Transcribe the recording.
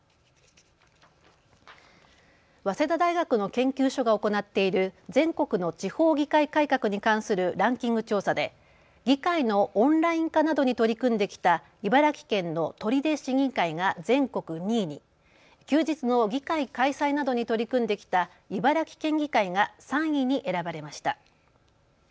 早稲田大学の研究所が行っている全国の地方議会改革に関するランキング調査で議会のオンライン化などに取り組んできた茨城県の取手市議会が全国２位に、休日の議会開催などに取り組んできた茨城県議会が３位に選ばれました。